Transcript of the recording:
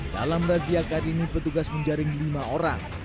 dalam raziakar ini petugas menjaring lima orang